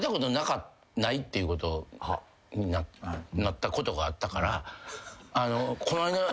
ないっていうことになったことがあったから。